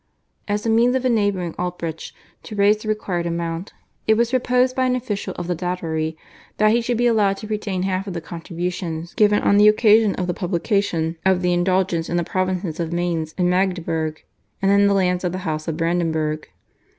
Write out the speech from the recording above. As a means of enabling Albrecht to raise the required amount, it was proposed by an official of the Datary that he should be allowed to retain half of the contributions given on the occasion of the publication of the Indulgence in the provinces of Mainz and Magdeburg, and in the lands of the House of Brandenburg.